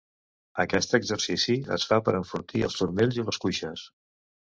Aquest exercici es fa per enfortir els turmells i les cuixes.